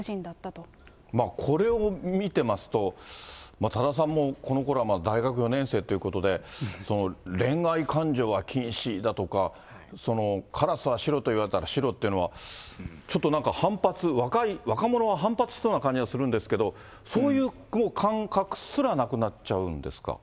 これを見てますと、多田さんも、このころは大学４年生ということで、恋愛感情は禁止だとか、カラスは白と言われたら白というのは、ちょっとなんか反発、若者は反発するような感じがするんですけど、そういう感覚すらなくなっちゃうんですか。